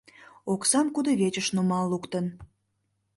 Оксам кудывечыш нумал луктын.